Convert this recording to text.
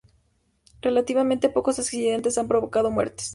Relativamente pocos accidentes han provocado muertes.